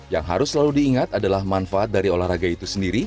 yang harus selalu diingat adalah manfaat dari olahraga itu sendiri